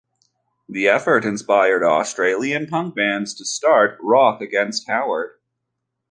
The effort inspired Australian punk bands to start Rock Against Howard.